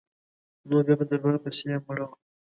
نور بیا په دربار پسي مړه وه.